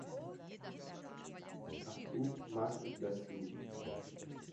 Arthur Matos da Silva